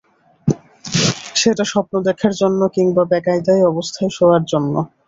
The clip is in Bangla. সেটা স্বপ্ন দেখার জন্যে, কিংবা বেকায়দা অবস্থায় শোয়ার জন্যে।